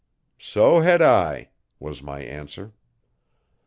'So had I,' was my answer.